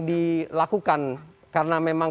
dilakukan karena memang